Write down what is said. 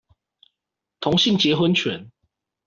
同性結婚權